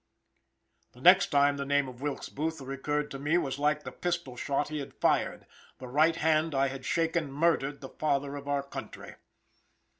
The next time the name of Wilkes Booth recurred to me was like the pistol shot he had fired. The right hand I had shaken murdered the father of the country.